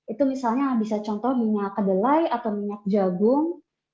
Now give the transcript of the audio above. itu misalnya bisa contoh minyak kedelai atau minyak jagung